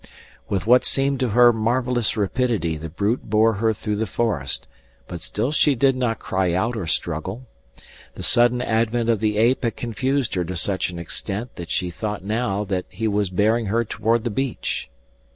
With what seemed to her marvelous rapidity the brute bore her through the forest, but still she did not cry out or struggle. The sudden advent of the ape had confused her to such an extent that she thought now that he was bearing her toward the beach.